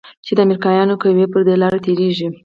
چې د امريکايانو قواوې پر دې لاره تېريږي.